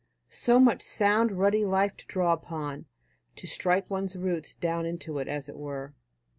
So much sound ruddy life to draw upon, to strike one's roots down into, as it were.